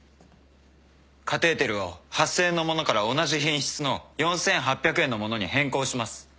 カテーテルを８，０００円のものから同じ品質の４，８００円のものに変更します。